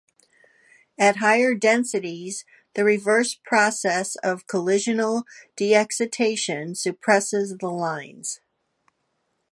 At higher densities, the reverse process of collisional de-excitation suppresses the lines.